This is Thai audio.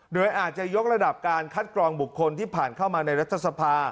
โดยอาจจะยกระดับการคัดกรองบุคคลที่ผ่านเข้ามาในรัฐสภา